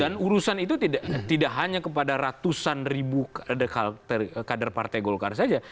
dan urusan itu tidak hanya kepada ratusan ribu kader partai golkar saja